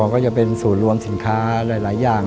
ก็จะเป็นศูนย์รวมสินค้าหลายอย่าง